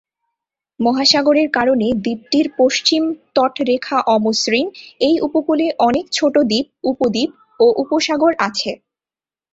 মহাসাগরের কারণে দ্বীপটির পশ্চিম তটরেখা অমসৃণ; এই উপকূলে অনেক ছোট দ্বীপ, উপদ্বীপ ও উপসাগর আছে।